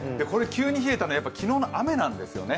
急に冷えたのは昨日の雨なんですよね。